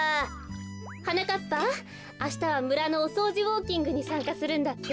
はなかっぱあしたはむらのおそうじウォーキングにさんかするんだって？